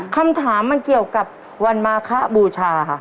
คำถามมันเกี่ยวกับวันมาคะบูชาค่ะ